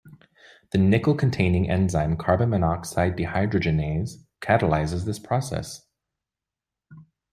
The nickel-containing enzyme carbon monoxide dehydrogenase catalyses this process.